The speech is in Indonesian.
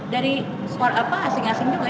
dari suara apa asing asing juga